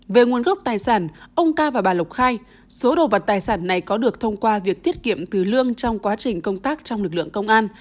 về nguồn gốc tài sản ông ca và bà lộc khai số đồ vật tài sản này có được thông qua việc tiết kiệm từ lương trong quá trình công tác trong lực lượng công an